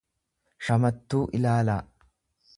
shamattuu ilaalaa.